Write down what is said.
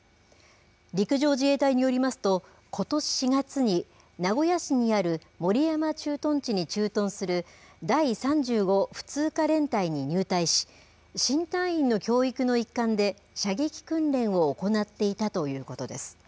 陸上自衛隊によりますと、ことし４月に名古屋市にある守山駐屯地に駐屯する第３５普通科連隊に入隊し、新隊員の教育の一環で射撃訓練を行っていたということです。